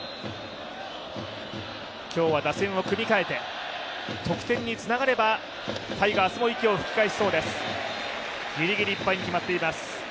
今日は打線を組みかえて、得点につながればタイガースも息を吹き返しそうです。